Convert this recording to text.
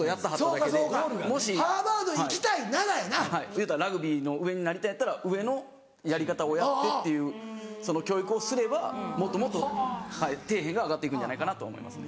いうたらラグビーの上になりたいんやったら上のやり方をやってっていうその教育をすればもっともっと底辺が上がって行くんじゃないかなと思いますね。